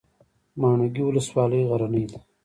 ماڼوګي ولسوالۍ غرنۍ ده؟